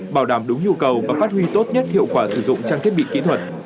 bảo đảm đúng nhu cầu và phát huy tốt nhất hiệu quả sử dụng trang thiết bị kỹ thuật